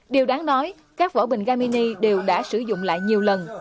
điều đáng nói các vỏ bình ga mini đều đã sử dụng lại nhiều lần